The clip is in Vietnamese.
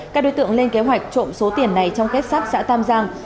các đối tượng lên kế hoạch trộm số tiền này trong kết sắt xã tam giang